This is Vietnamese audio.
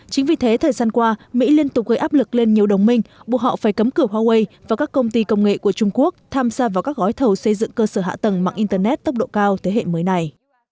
chính vì thế thời gian qua mỹ liên tục gây áp lực lên nhiều đồng minh buộc họ phải cấm cửa huawei và các công ty công nghệ của trung quốc tham gia vào các gói thầu xây dựng cơ sở hạ tầng mạng internet tốc độ cao thế hệ mới này